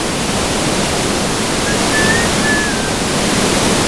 舊港大橋